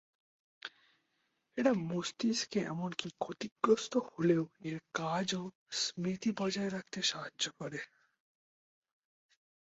এটা মস্তিষ্ককে এমনকি ক্ষতিগ্রস্ত হলেও এর কাজ ও স্মৃতি বজায় রাখতে সাহায্য করে।